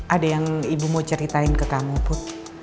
ada yang ibu mau ceritain ke kamu put